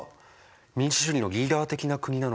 民主主義のリーダー的な国なのに。